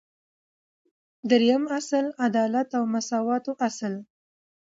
دریم اصل : عدالت او مساواتو اصل